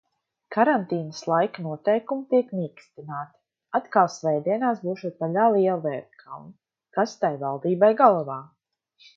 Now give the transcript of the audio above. Karantīnas laika noteikumi tiek mīkstināti. Atkal svētdienās būšot vaļā lielveikali. Kas tai valdībai galvā?